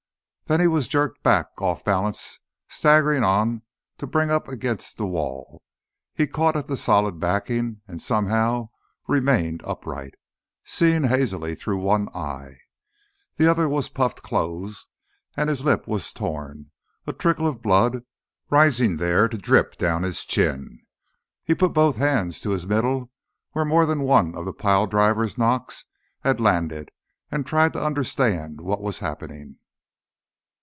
Then he was jerked back, off balance, staggering on to bring up against the wall. He caught at the solid backing and somehow remained upright, seeing hazily through one eye. The other was puffing closed, and his lip was torn, a trickle of blood rising there to drip down his chin. He put both hands to his middle where more than one of the pile driver knocks had landed, and tried to understand what was happening.